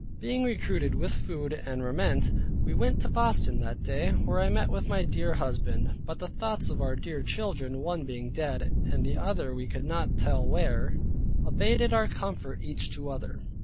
Being recruited with food and raiment we went to Boston that day, where I met with my dear husband, but the thoughts of our dear children, one being dead, and the other we could not tell where, abated our comfort each to other.